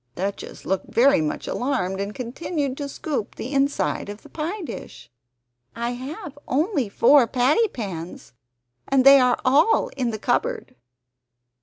Duchess looked very much alarmed, and continued to scoop the inside of the pie dish. "I have only four patty pans, and they are all in the cupboard."